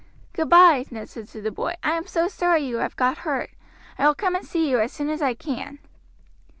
"Goodby," Ned said to the boy, "I am so sorry you have got hurt. I will come and see you as soon as I can."